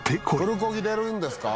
プルコギ出るんですか？